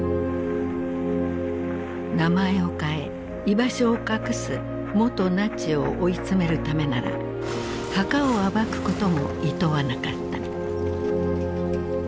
名前を変え居場所を隠す元ナチを追い詰めるためなら墓を暴くこともいとわなかった。